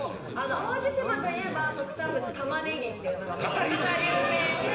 淡路島といえば特産物玉ねぎっていうのがめちゃくちゃ有名で。